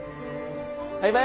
バイバイ。